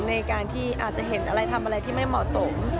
ในการที่อาจจะเห็นอะไรทำอะไรที่ไม่เหมาะสม